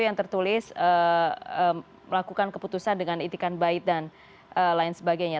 yang tertulis melakukan keputusan dengan itikan baik dan lain sebagainya